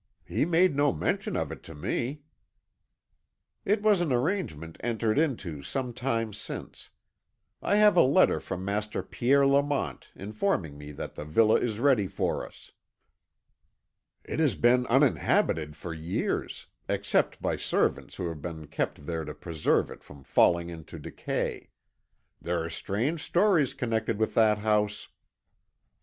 He made no mention of it to me." "It was an arrangement entered into some time since. I have a letter from Master Pierre Lamont informing me that the villa is ready for us." "It has been uninhabited for years, except by servants who have been kept there to preserve it from falling into decay. There are strange stories connected with that house."